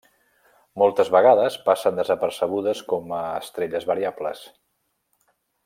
Moltes vegades passen desapercebudes com a estrelles variables.